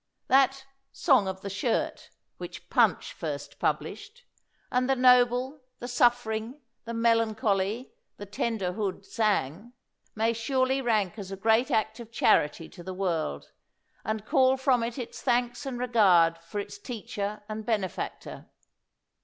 That "Song of the Shirt" which "Punch" first published, and the noble, the suffering, the melancholy, the tender Hood sang, may surely rank as a great act of charity to the world, and call from it its thanks and re gard for its teacher and benefactor.